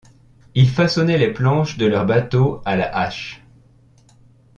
Ils façonnaient les planches de leurs bateaux à la hache.